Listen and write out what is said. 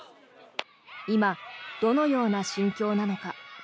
今、どのような心境なのか。